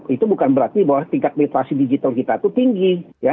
itu bukan berarti bahwa tingkat literasi digital kita itu tinggi